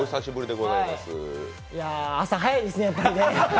いや、朝早いですね、やっぱりね。